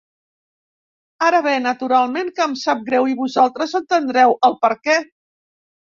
Ara bé, naturalment que em sap greu i vosaltres entendreu el perquè.